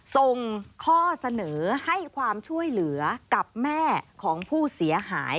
ส่งข้อเสนอให้ความช่วยเหลือกับแม่ของผู้เสียหาย